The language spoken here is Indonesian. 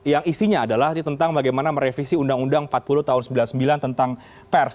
yang isinya adalah tentang bagaimana merevisi undang undang empat puluh tahun seribu sembilan ratus sembilan puluh sembilan tentang pers